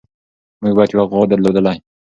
موږ باید یوه غوا درلودلی.